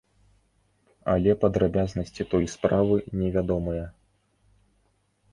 Але падрабязнасці той справы невядомыя.